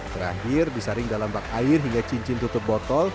terakhir disaring dalam bak air hingga cincin tutup botol